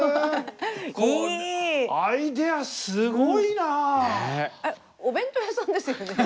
アイデアすごいな！お弁当屋さんですよね？